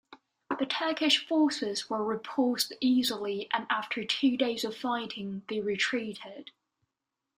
The Turkish forces were repulsed easily and after two days of fighting, they retreated.